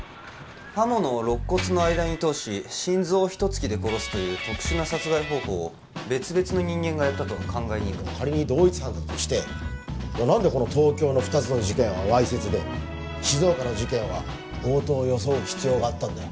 刃物を肋骨の間に通し心臓を一突きで殺すという特殊な殺害方法を別々の人間がやったとは考えにくい仮に同一犯だとして何で東京の２つの事件はわいせつで静岡の事件は強盗を装う必要があったんだよ